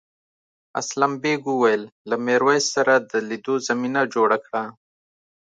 اسلم بېگ وویل له میرويس سره د لیدو زمینه جوړه کړه.